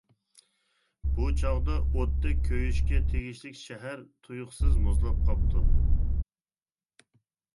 بۇ چاغدا ئوتتەك كۆيۈشكە تېگىشلىك شەھەر تۇيۇقسىز مۇزلاپ قاپتۇ!